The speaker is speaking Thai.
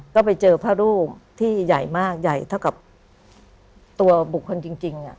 ก็ไปเจอพระรูปที่ใหญ่มากใหญ่เท่ากับตัวบุคคลจริง